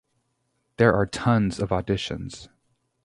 There are tons of auditions.